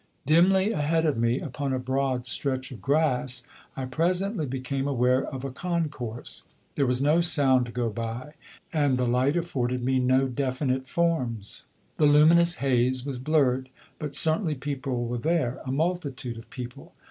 Dimly ahead of me, upon a broad stretch of grass, I presently became aware of a concourse. There was no sound to go by, and the light afforded me no definite forms; the luminous haze was blurred; but certainly people were there, a multitude of people.